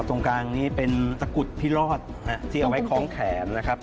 ตรงกลางนี้เป็นตะกุดพิรอดที่เอาไว้คล้องแขนนะครับ